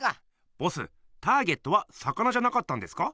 ボスターゲットは魚じゃなかったんですか？